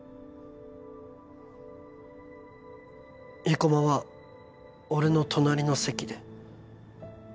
生駒は俺の隣の席で